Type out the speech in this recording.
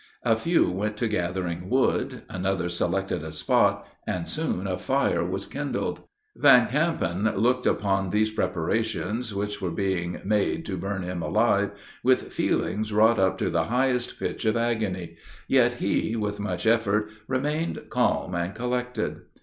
A few went to gathering wood; another selected a spot, and soon a fire was kindled. Van Campen looked upon these preparations, which were being made to burn him alive, with feelings wrought up to the highest pitch of agony; yet he, with much effort, appeared calm and collected.